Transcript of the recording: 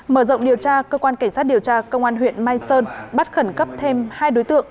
mở rộng điều tra cơ quan cảnh sát điều tra công an huyện mai sơn bắt khẩn cấp thêm hai đối tượng